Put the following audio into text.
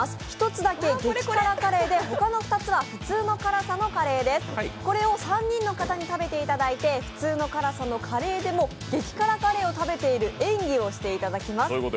１つだけ、激辛カレーで他の２つは普通の辛さのカレーです、これを３人の方に食べていただいて普通の辛さのカレーでも激辛カレーを食べている演技をしていただきます。